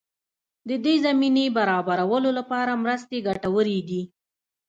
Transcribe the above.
د دې زمینې برابرولو لپاره مرستې ګټورې دي.